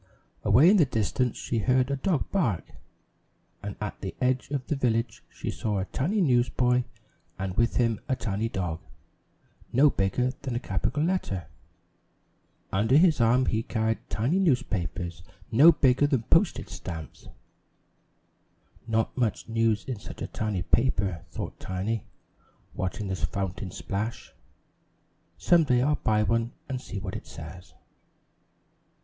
Away in the distance she heard a dog bark, and at the edge of the village she saw a tiny newsboy and with him a tiny dog, no bigger than a capital letter. Under his arm he carried tiny newspapers no bigger than postage stamps. "Not much news in such a tiny paper!" thought Tiny, watching the fountain splash. "Some day I'll buy one to see what it says."